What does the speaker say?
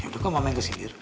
yaudah kok mama yang kesindir